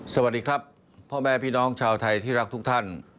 สวัสดีครับพ่อแม่พี่น้องชาวไทยที่รักทุกท่าน